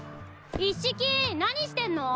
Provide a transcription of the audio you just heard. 一色何してんの？